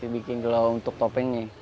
bikin kalo untuk topengnya